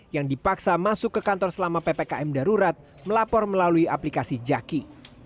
yang dipaksa masuk ke kantor selama ppkm darurat melapor melalui aplikasi jaki